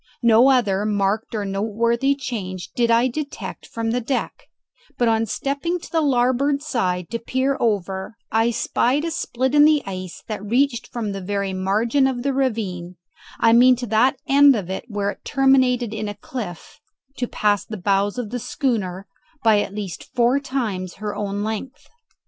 No other marked or noteworthy change did I detect from the deck; but on stepping to the larboard side to peer over I spied a split in the ice that reached from the very margin of the ravine, I mean to that end of it where it terminated in a cliff, to past the bows of the schooner by at least four times her own length.